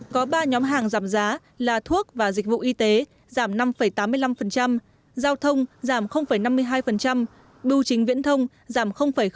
có ba nhóm hàng giảm giá là thuốc và dịch vụ y tế giảm năm tám mươi năm giao thông giảm năm mươi hai bưu chính viễn thông giảm sáu